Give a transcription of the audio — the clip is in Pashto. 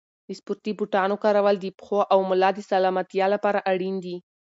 د سپورتي بوټانو کارول د پښو او ملا د سلامتیا لپاره اړین دي.